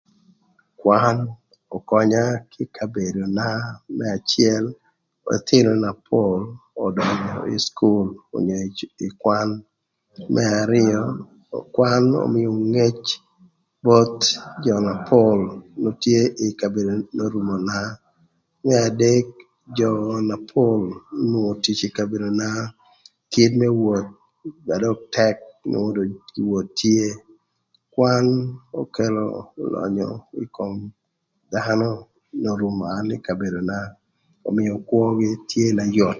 Kwan ökönya ï kabedona, më acël ëthïnö na pol ödönyö gïnï ï cukul onyo ï kwan. Më arïö, ökwan ömïö ngëc both jö na pol na tye ï kabedo n'oruma. Më adek, jö na pol onwongo tic ï kabedona kit më woth ba dök tëk, nwongo dong gin woth tye. Kwan ökelö lönyö ï kom dhanö n'orumo an ï kabedona. Kwan ömïö kwögï tye na yot.